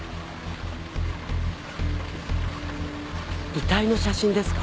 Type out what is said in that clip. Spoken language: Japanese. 遺体の写真ですか？